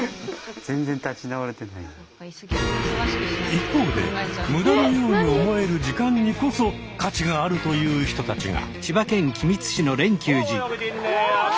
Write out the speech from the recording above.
一方で無駄のように思える時間にこそ価値があるという人たちが。